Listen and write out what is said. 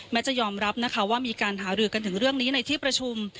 จะยอมรับนะคะว่ามีการหารือกันถึงเรื่องนี้ในที่ประชุม